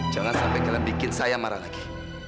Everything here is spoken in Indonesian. jangan sampai kita bikin saya marah lagi